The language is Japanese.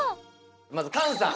まず菅さん。